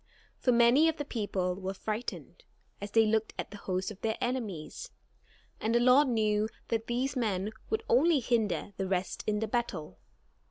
For many of the people were frightened, as they looked at the host of their enemies, and the Lord knew that these men would only hinder the rest in the battle.